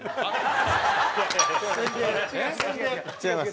違います。